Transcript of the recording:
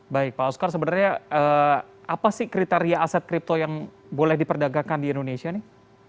baik pak oscar sebenarnya apa sih kriteria aset kripto yang boleh diperdagangkan di indonesia nih